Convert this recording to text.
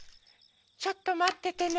ちょっとまっててね。